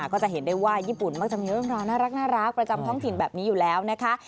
ก็จะเห็นได้ว่าญี่ปุ่นมักจะมีเรื่องราวน่ารักประจำท้องถิ่นแบบนี้อยู่แล้วนะคะ